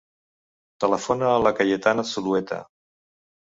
Telefona a la Cayetana Zulueta.